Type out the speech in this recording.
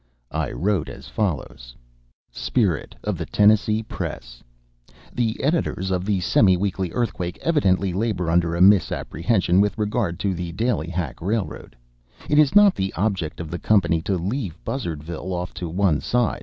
I wrote as follows: SPIRIT OF THE TENNESSEE PRESS The editors of the Semi Weekly Earthquake evidently labor under a misapprehension with regard to the Ballyhack railroad. It is not the object of the company to leave Buzzardville off to one side.